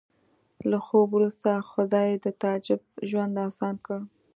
له خوب وروسته خدای د تعجب ژوند اسان کړ